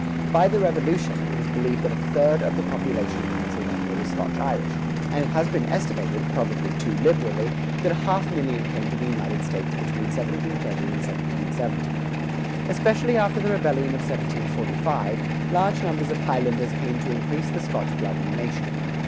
By the Revolution, it is believed that a third of the population of Pennsylvania was Scotch Irish; and it has been estimated, probably too liberally, that a half million came to the United States between 1730 and 1770.[103:2] Especially after the Rebellion of 1745, large numbers of Highlanders came to increase the Scotch blood in the nation.